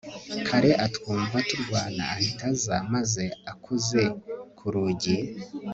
kare atwumva turwana ahita aza maze akoze ku rugi